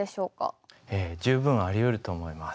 十分ありうると思います。